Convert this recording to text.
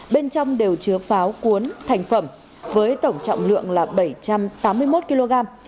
bên trong đều chứa pháo cuốn thành phẩm với tổng trọng lượng là bảy trăm tám mươi một kg